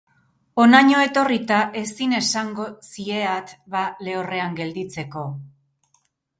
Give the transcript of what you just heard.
Honaino etorrita ezin esango zieat ba lehorrean gelditzeko...